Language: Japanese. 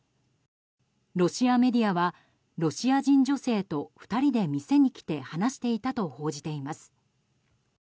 ロシアメディアはロシア人女性と、２人で店に来て話していたと報じています。